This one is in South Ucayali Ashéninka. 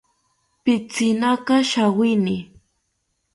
Pitzinaka shawini